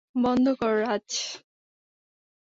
বন্ধ করো, রাজ।